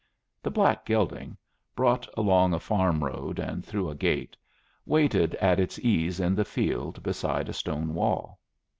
The black gelding, brought along a farm road and through a gate, waited at its ease in the field beside a stone wall.